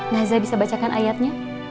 nah zai bisa bacakan ayatnya